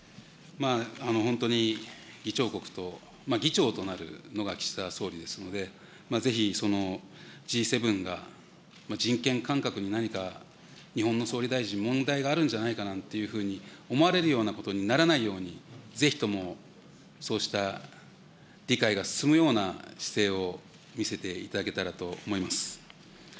本当に議長国と、議長となるのが岸田総理ですので、ぜひＧ７が人権感覚に何か、日本の総理大臣、問題があるんじゃないかなんていうふうに思われるようなことにならないように、ぜひともそうした理解が進むような姿勢を見せていただけたらと思います。